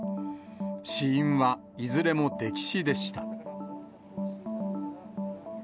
死因はいずれも溺死でした。